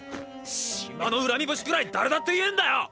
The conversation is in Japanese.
島の恨み節くらい誰だって言えんだよ！！